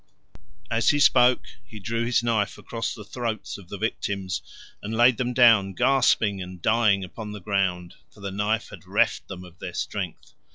As he spoke he drew his knife across the throats of the victims, and laid them down gasping and dying upon the ground, for the knife had reft them of their strength.